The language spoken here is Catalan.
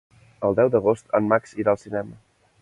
El deu d'agost en Max irà al cinema.